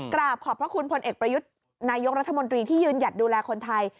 กราบขอบพระคุณพลเอกประยุทธ์นายกรัฐมนตรีที่ยืนหยัดดูแลคนไทย